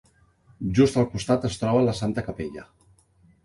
Just al costat es troba la Santa Capella.